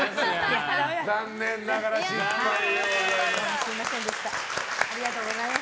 残念ながら失敗でございます。